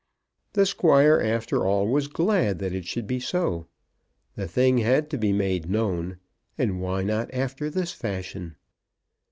The Squire after all was glad that it should be so. The thing had to be made known, and why not after this fashion?